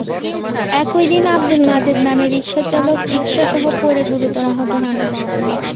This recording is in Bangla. একই দিন আবদুল মাজেদ নামের রিকশাচালক রিকশাসহ পড়ে গুরুতর আহত হন।